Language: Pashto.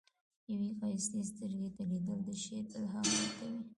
یوې ښایستې سترګې ته لیدل، د شعر الهام ورکوي.